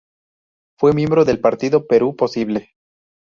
Fue miembro del Partido Perú Posible.